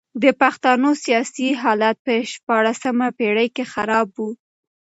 د پښتنو سیاسي حالت په شپاړلسمه پېړۍ کي خراب و.